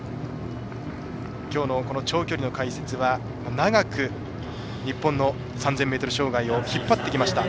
長距離の解説長く日本の３０００ｍ障害を引っ張ってきました